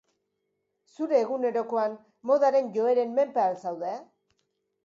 Zure egunerokoan, modaren joeren menpe al zaude?